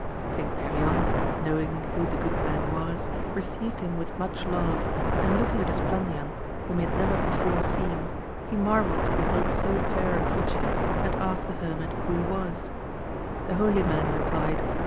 King Perion, knowing who the good man was, received him with much love, and looking at Esplandian, whom he had never before seen, he marvelled to behold so fair a creature, and asked the hermit who he was. The holy man replied.